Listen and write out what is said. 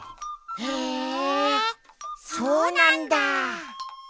へえそうなんだ！